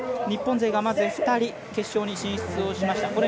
日本勢がまず２人決勝に進出をしました。